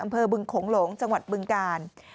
อำเภอบึงขงหลงจังหวัดบึงกาล